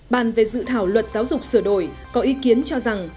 bàn về dự thảo luật giáo dục sửa đổi có ý kiến cho rằng